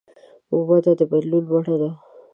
وده د بدلون بڼه ده.